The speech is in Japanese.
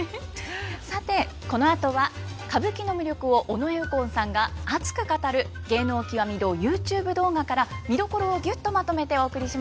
さてこのあとは歌舞伎の魅力を尾上右近さんが熱く語る「芸能きわみ堂」ＹｏｕＴｕｂｅ動画から見どころをギュッとまとめてお送りします。